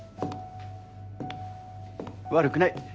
悪くない。